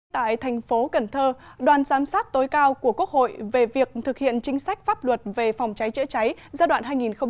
tại thành phố cần thơ đoàn giám sát tối cao của quốc hội về việc thực hiện chính sách pháp luật về phòng cháy chữa cháy giai đoạn hai nghìn một mươi bốn hai nghìn một mươi tám